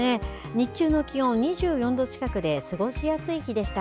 日中の気温２４度近くで、過ごしやすい日でした。